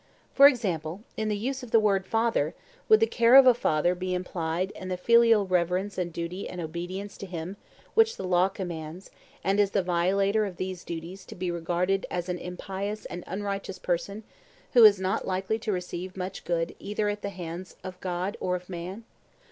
For example, in the use of the word 'father,' would the care of a father be implied and the filial reverence and duty and obedience to him which the law commands; and is the violator of these duties to be regarded as an impious and unrighteous person who is not likely to receive much good either at the hands of God or of man?